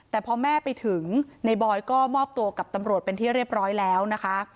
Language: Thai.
แต่พอแม่ไปถึงในบอยก็มอบตัวกับตำรวจเป็นที่เรียบร้อยแล้วนะคะ